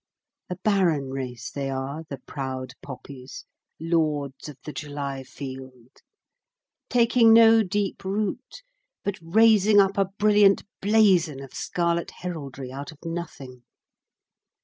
A barren race they are, the proud poppies, lords of the July field, taking no deep root, but raising up a brilliant blazon of scarlet heraldry out of nothing.